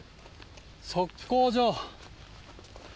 測候所。